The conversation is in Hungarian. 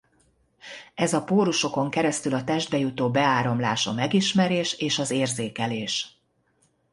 Ez a pórusokon keresztül a testbe jutó beáramlás a megismerés és az érzékelés.